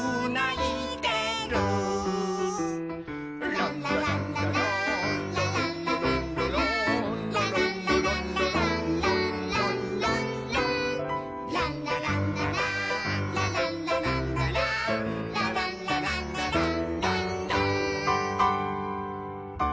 「ランラランラランラランラランラランラ」「ランラランラランランランランラン」「ランラランラランラランラランラランラ」「ランラランラランランラン」